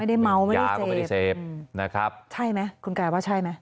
ไม่ได้เมาไม่ได้เสพไม่ได้เสพนะครับใช่ไหมคุณกายว่าใช่ไหม